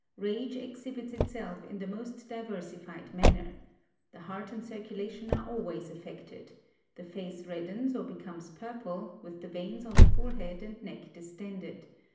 Rage exhibits itself in the most diversified manner. The heart and circulation are always affected; the face reddens or becomes purple, with the veins on the forehead and neck distended.